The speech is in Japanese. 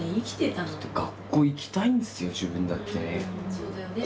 そうだよね。